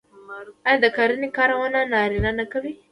آیا د کرنې کارونه نارینه نه کوي؟